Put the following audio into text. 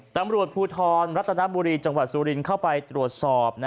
ตำรวจภูทรรัตนบุรีจังหวัดสุรินทร์เข้าไปตรวจสอบ